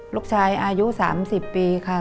ลูกชายอายุ๓๐ปีค่ะ